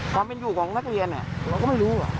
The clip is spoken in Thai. ความเป็นอยู่ของนักเรียนเราก็ไม่รู้